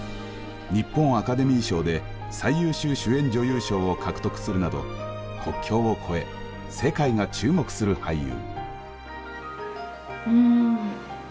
日本アカデミー賞で最優秀主演女優賞を獲得するなど国境を超え世界が注目する俳優。